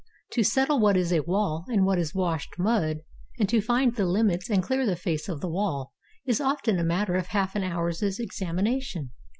To settle what is a wall and what is washed mud, and to find the limits and clear the face of the wall, is often a matter of half an hour's examination.